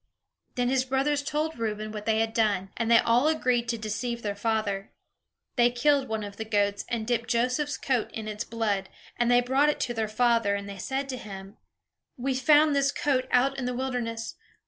Then his brothers told Reuben what they had done; and they all agreed together to deceive their father. They killed one of the goats, and dipped Joseph's coat in its blood; and they brought it to their father, and they said to him: "We found this coat out in the wilderness.